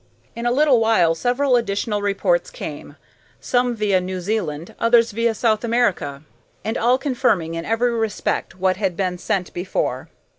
In a little while several additional reports came, some via New Zealand, others via South America, and all confirming in every respect what had been sent before.